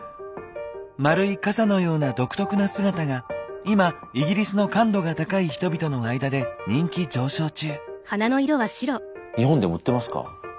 丸い傘のような独特な姿が今イギリスの感度が高い人々の間で人気上昇中。